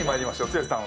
剛さん